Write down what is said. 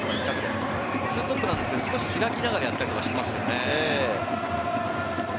２トップなんですけど、少し開きながらやっていますよね。